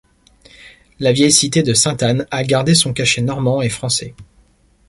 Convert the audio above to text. La vieille cité de Sainte-Anne a gardé son cachet normand et français.